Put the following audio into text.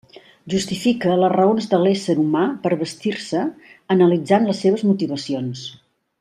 Justifica les raons de l'ésser humà per vestir-se analitzant les seves motivacions.